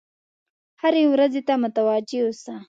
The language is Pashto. هرې ورځې ته متوجه اوسه.